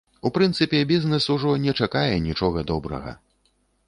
У прынцыпе, бізнэс ужо не чакае нічога добрага.